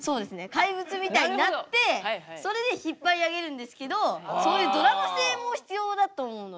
怪物みたいになってそれで引っ張り上げるんですけどそういうドラマ性も必要だと思うので。